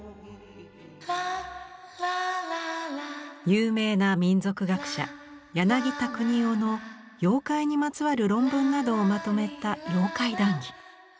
有名な民俗学者柳田國男の妖怪にまつわる論文などをまとめた「妖怪談義」。